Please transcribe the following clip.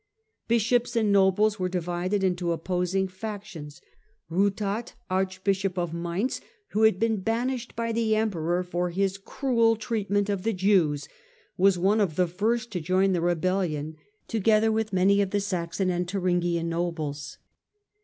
Bishops and nobles were divided into opposing factions. Bnthard, archbishop of Mainz, who had been banished by the emperor for his crud treatment of the Jews, was one of the first to join the rebellion, together with many of the Saxon and Thuringian nobles.